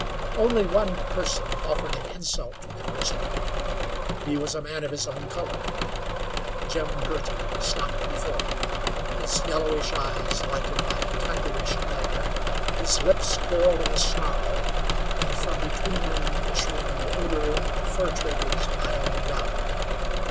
Only one person offered an insult to the prisoner; he was a man of his own color. Jim Girty stopped before him, his yellowish eyes lighted by a tigerish glare, his lips curled in a snarl, and from between them issuing the odor of the fir traders' vile rum.